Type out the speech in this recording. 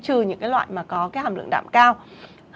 trừ những cái loại mà có cái hàm lượng protein